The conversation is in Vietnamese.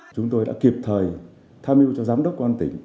chúng tôi đã kịp thời tham dự cho giám đốc quan tỉnh